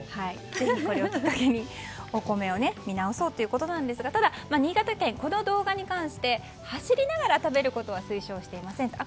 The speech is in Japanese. ぜひ、これをきっかけにお米を見直そうということですがただ、新潟県、この動画に関して走りながら食べることは推奨していません